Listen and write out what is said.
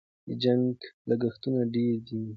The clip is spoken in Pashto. د جنګ لګښتونه ډېر دي.